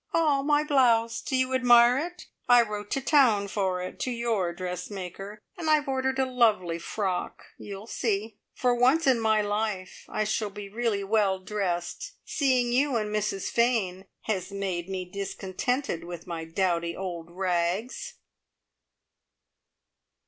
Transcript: "Ah, my blouse! Do you admire it? I wrote to town for it, to your dressmaker, and I've ordered a lovely frock. You'll see. For once in my life I shall be really well dressed! Seeing you and Mrs Fane has made me discontented with my dowdy old rags!"